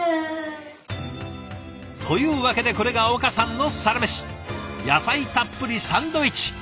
というわけでこれが岡さんのサラメシ野菜たっぷりサンドイッチ。